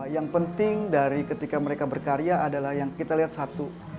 yang penting dari ketika mereka berkarya adalah yang kita lihat satu